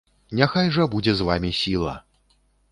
Няхай жа будзе з вамі сіла!